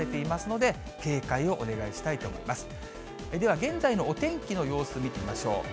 では現在のお天気の様子見てみましょう。